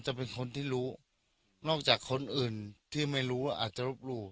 จะเป็นคนที่รู้นอกจากคนอื่นที่ไม่รู้ว่าอาจจะรบหลู่